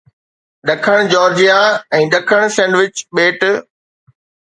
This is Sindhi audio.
ڏکڻ جارجيا ۽ ڏکڻ سينڊوچ ٻيٽ